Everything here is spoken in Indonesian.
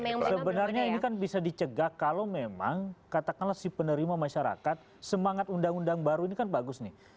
sebenarnya ini kan bisa dicegah kalau memang katakanlah si penerima masyarakat semangat undang undang baru ini kan bagus nih